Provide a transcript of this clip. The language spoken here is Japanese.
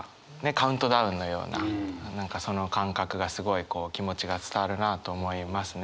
カウントダウンのようなその感覚がすごいこう気持ちが伝わるなと思いますね。